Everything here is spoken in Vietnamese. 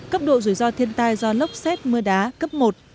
cấp độ rủi ro thiên tai do lốc xét mưa đá cấp một